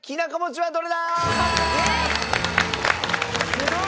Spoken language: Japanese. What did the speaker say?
すごい。